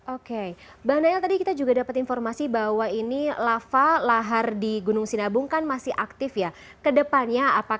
oke bang nail tadi kita juga dapat informasi bahwa ini lava lahar di gunung sinabung kan masih aktif ya ke depannya